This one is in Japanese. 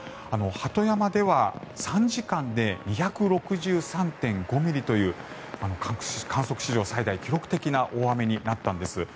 鳩山では３時間で２６３．５ミリという観測史上最大記録的な大雨になったんです。